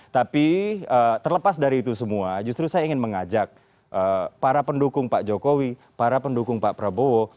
tapi terlepas dari itu semua justru saya ingin mengajak para pendukung pak jokowi para pendukung pak prabowo